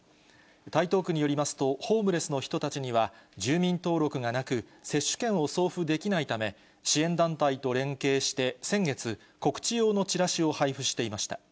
台東区によりますと、ホームレスの人たちには住民登録がなく、接種券を送付できないため、支援団体と連携して、先月、告知用のチラシを配布していました。